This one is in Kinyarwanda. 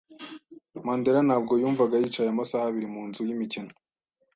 Mandera ntabwo yumvaga yicaye amasaha abiri mu nzu yimikino.